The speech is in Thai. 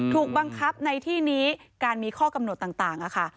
ถูกบังคับในที่นี้การมีข้อกำหนดต่างค่ะ